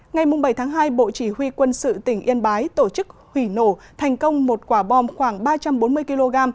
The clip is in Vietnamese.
ngày bảy tháng hai bộ chỉ huy quân sự tỉnh yên bái tổ chức hủy nổ thành công một quả bom khoảng ba trăm bốn mươi kg